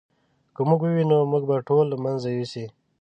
که موږ وویني موږ به ټول له منځه یوسي.